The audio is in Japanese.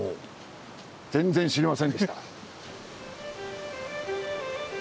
全然知りませんでした。